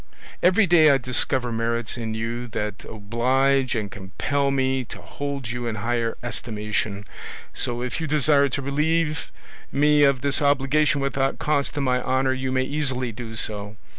"Every day I discover merits in you that oblige and compel me to hold you in higher estimation; so if you desire to relieve me of this obligation without cost to my honour, you may easily do so.